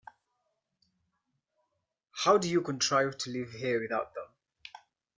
How do you contrive to live here without them?